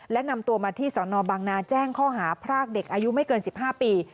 และนำตัวมาที่สนบางนาแจ้งข้อหาพรากเด็กอายุไม่เกิน๑๕ปี